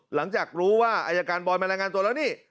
หลังจากรู้ว่าอายการบอยมารายงานตัวแล้วนี่